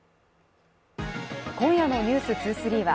今夜の「ｎｅｗｓ２３」は